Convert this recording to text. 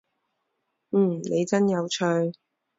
嗯，您真有趣